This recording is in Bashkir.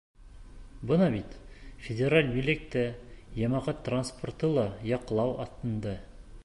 Бына бит, федераль милек тә, йәмәғәт транспорты ла яҡлау аҫтында.